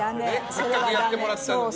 せっかくやってもらったのに。